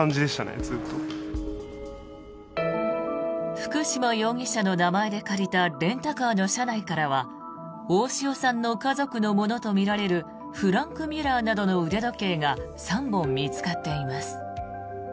福島容疑者の名前で借りたレンタカーの車内からは大塩さんの家族のものとみられるフランク・ミュラーなどの腕時計が３本見つかっています。